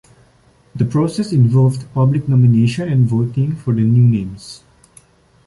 The process involved public nomination and voting for the new names.